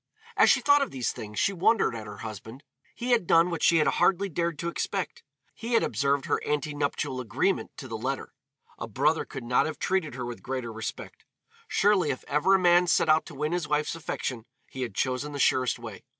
As she thought of these things she wondered at her husband. He had done what she had hardly dared to expect he had observed their ante nuptial agreement to the letter. A brother could not have treated her with greater respect. Surely if ever a man set out to win his wife's affection he had chosen the surest way.